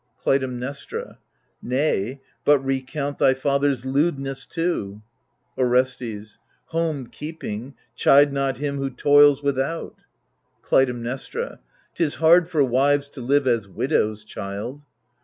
Clytemnestra Nay, but recount thy father's lewdness too. Orestes Home keeping, chide not him who toils without. Clytemnestra 'Tis hard for wives to live as widows, child.